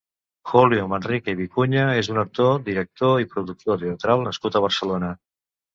Julio Manrique i Vicuña és un actor, director i productor teatral nascut a Barcelona.